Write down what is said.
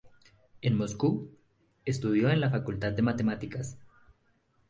En Moscú, estudió en la Facultad de Matemáticas.